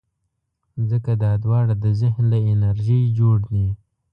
ځکه دا دواړه د ذهن له انرژۍ جوړ دي.